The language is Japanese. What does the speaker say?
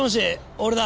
俺だ。